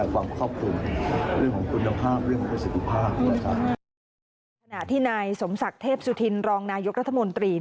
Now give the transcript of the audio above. ขณะที่นายสมศักดิ์เทพสุธินรองนายกรัฐมนตรี